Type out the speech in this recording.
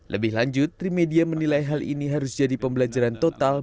lebih lanjut trimedia menilai hal ini harus jadi pembelajaran total